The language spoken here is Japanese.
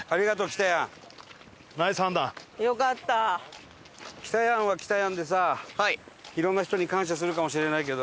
北やんは北やんでさ色んな人に感謝するかもしれないけど。